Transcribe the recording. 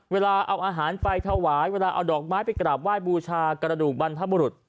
เวลาเอาอาหารไปถวายเวลาเอาดอกไม้ไปกราบไหว้บูชากระดูกบรรพบุรุษ